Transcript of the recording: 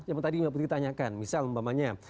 yang tadi mbak putri tanyakan misal umpamanya